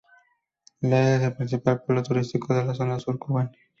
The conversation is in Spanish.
La isla es el principal polo turístico de la zona Sur cubana.